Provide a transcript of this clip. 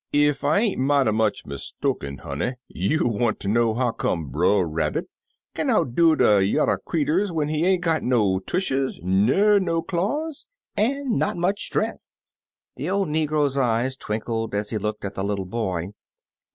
''£f I ain't mighty much mistooken, honey, you wanter know how come Bitr Rabbit kin outdo de yuther creeturs when he ain't got no tushes ner no claws, an' not much strenk." The old negro's eyes twin kled as he looked at the little boy.